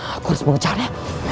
aku harus mengejarnya